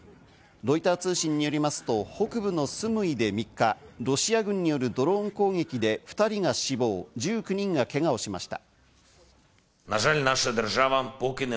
ロイター通信によりますと、北部のスムイで３日、ロシア軍によるドローン攻撃で２人が死亡、１９人がけがをしました。